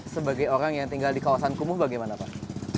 sebagai orang yang tinggal di kawasan kumuh bagaimana pak